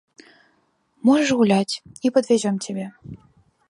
Можаш гуляць, і падвязём цябе.